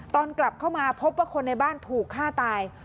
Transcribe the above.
ตอนกลับเข้ามาพบว่าคนในบ้านถูกฆ่าตาย